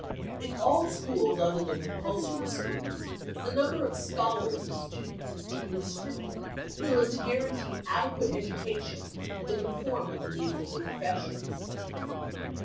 In all schools other than compulsory schools, the number of scholars and students is to be restricted so as to guarantee adequate education and to conform with the needs of the professions.